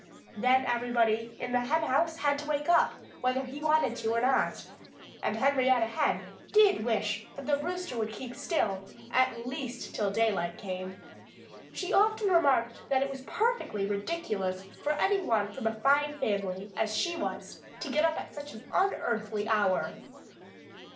Then everybody in the henhouse had to wake up, whether he wanted to or not. And Henrietta Hen did wish the Rooster would keep still at least till daylight came. She often remarked that it was perfectly ridiculous for any one from a fine family as she was to get up at such an unearthly hour.